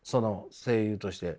声優として。